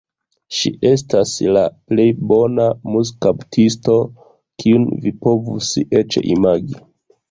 Ŝi estas la plej bona muskaptisto kiun vi povus eĉ imagi.